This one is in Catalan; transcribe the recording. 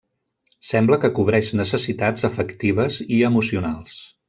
Sembla que cobreix necessitats afectives i emocionals.